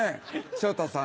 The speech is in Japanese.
昇太さん